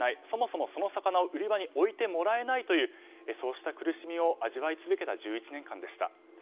そもそもその魚を売り場に置いてもらえないというそうした苦しみを味わい続けた１１年間でした。